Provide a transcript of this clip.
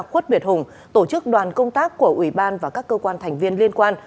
quốc biệt hùng tổ chức đoàn công tác của ủy ban và các cơ quan thành viên liên quan